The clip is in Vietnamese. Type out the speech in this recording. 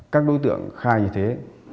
các đối tượng khai như thế